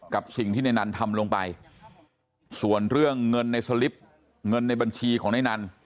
กับสิ่งที่ในนั้นทำลงไปส่วนเรื่องเงินในสลิปเงินในบัญชีของในนั้น